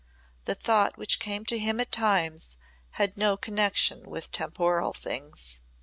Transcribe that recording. The thought which came to him at times had no connection with temporal things.